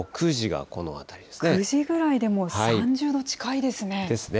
９時ぐらいでも３０度近いでですね。